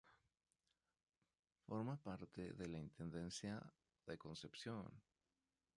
Forma parte de la Intendencia de Concepción.